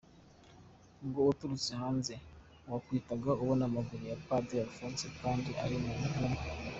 Ngo uturutse hanze wahitaga ubona amaguru ya Padiri Alphonse kandi ari mu cyumba.